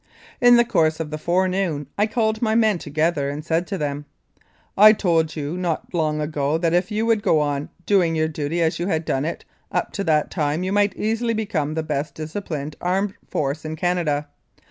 In the course of the forenoon I called my men together and said to them :" I told you not long ago that if you would go on doing your duty as you had done it up to that time you might easily become the best disciplined armed force in Canada.